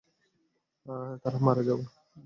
তারা মারা যায়।